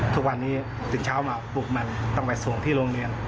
ทุกวันนี้ตื่นเช้ามาปลุกมันต้องไปส่งที่โรงเรียน